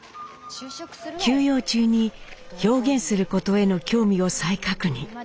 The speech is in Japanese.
休養中に表現することへの興味を再確認。